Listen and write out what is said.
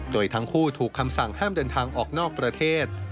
โดยทั้งคู่ถูกคำสั่งห้ามเดินทางออกนอกประเทศ